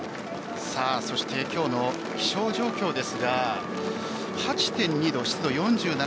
そして、きょうの気象状況ですが８．２度湿度４７％